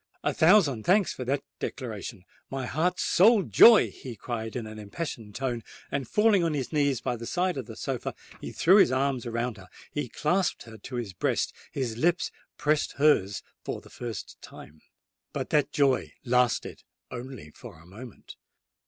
"A thousand thanks for that declaration, my heart's sole joy!" he cried in an impassioned tone; and, falling on his knees by the side of the sofa, he threw his arms around her—he clasped her to his breast—his lips pressed hers for the first time. But that joy lasted only for a moment.